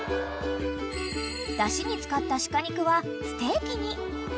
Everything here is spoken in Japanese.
［だしに使った鹿肉はステーキに］